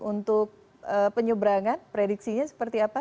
untuk penyebrangan prediksinya seperti apa